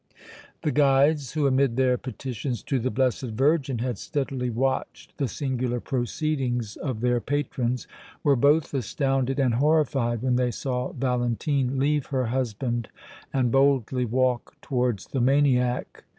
The guides, who amid their petitions to the Blessed Virgin had steadily watched the singular proceedings of their patrons, were both astounded and horrified when they saw Valentine leave her husband and boldly walk towards the maniac.